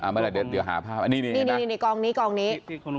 ไม่ไรเดี๋ยวหาภาพนี่กล้องนี้